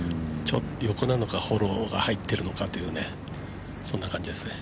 横なのかフォローが入ってるのかという感じですね。